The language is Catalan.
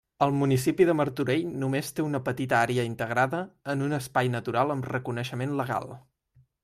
El municipi de Martorell només té una petita àrea integrada en un espai natural amb reconeixement legal.